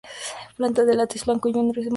Planta con látex blanco y un rizoma fibroso.